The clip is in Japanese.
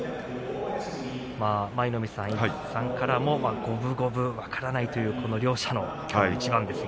舞の海さんからも五分五分、分からないという両者の一番です。